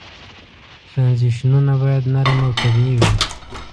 ترنزیشنونه باید نرم او طبیعي وي.